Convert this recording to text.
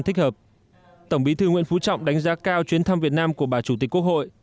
thích hợp tổng bí thư nguyễn phú trọng đánh giá cao chuyến thăm việt nam của bà chủ tịch quốc hội